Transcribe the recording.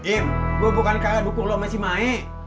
im gue bukan kagak dukung lu sama si mae